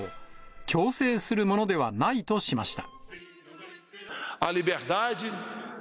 強制するものではないとしました。